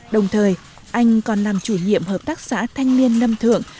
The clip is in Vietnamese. đồng thời anh còn làm chủ nhiệm hợp tác xã thanh niên lâm thượng